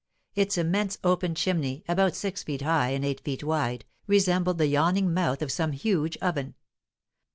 Its immense open chimney, about six feet high and eight feet wide, resembled the yawning mouth of some huge oven.